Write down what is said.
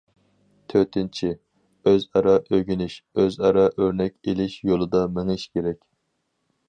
تۆتىنچى، ئۆزئارا ئۆگىنىش، ئۆزئارا ئۆرنەك ئېلىش يولىدا مېڭىش كېرەك.